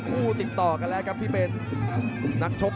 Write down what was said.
ติดต่อกันแล้วครับที่เป็นนักชก